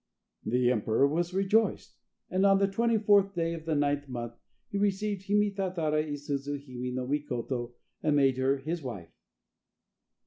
The emperor was rejoiced. And on the 24th day of the 9th month he received Hime tatara i suzu hime no Mikoto and made her his wife.